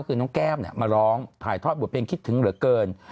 คือน้องแก้มมาร้องถ่ายทอดบทเพลงคิดถึงเหลือเกิน